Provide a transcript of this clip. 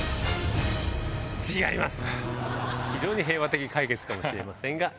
非常に平和的解決かもしれませんが。